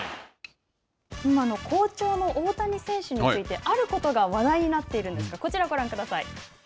好調の大谷選手についてあることが話題になっているんですがこちらをご覧ください。